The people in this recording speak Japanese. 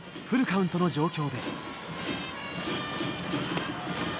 フルカウントの状況で。